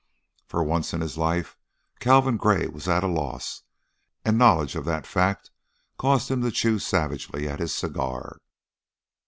For once in his life Calvin Gray was at a loss, and knowledge of that fact caused him to chew savagely at his cigar.